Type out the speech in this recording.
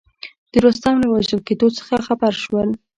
د رستم له وژل کېدلو څخه خبر شول.